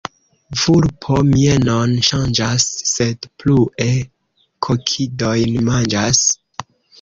Vulpo mienon ŝanĝas, sed plue kokidojn manĝas.